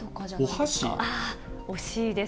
あー、惜しいです。